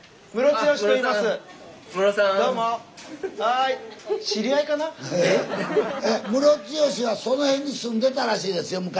ムロツヨシはその辺に住んでたらしいですよ昔。